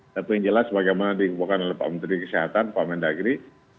tapi yang jelas bagaimana dikembangkan oleh pak menteri kesehatan pak mendagri